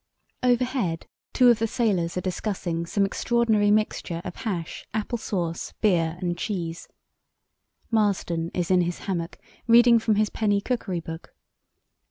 "Overhead, two of the sailors are discussing, some extraordinary mixture of hash, apple sauce, beer, and cheese. Marston is in his hammock reading from his penny cookery book.